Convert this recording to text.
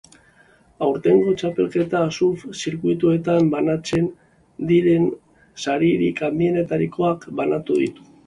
Aurtengo txapelketa surf zirkuituetan banatzen diren saririk handienetarikoak banatu ditu.